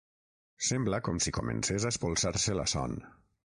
Sembla com si comencés a espolsar-se la son.